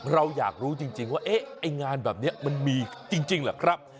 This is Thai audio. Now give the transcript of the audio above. เราอยากรู้จริงว่าไอ้งานแบบนี้มันมีจริงเหรอครับ